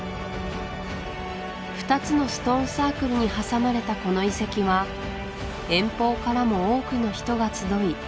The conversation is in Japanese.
２つのストーンサークルに挟まれたこの遺跡は遠方からも多くの人が集い